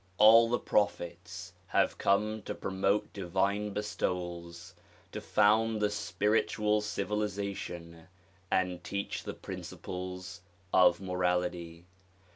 All the prophets have come to promote divine bestowals, to found the spiritual civilization and teach the principles of morality.